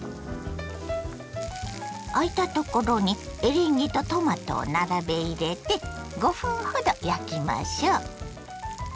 あいたところにエリンギとトマトを並べ入れて５分ほど焼きましょ。